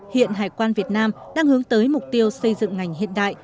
hiện hải quan việt nam đang hướng tới mục tiêu xây dựng ngành hiện đại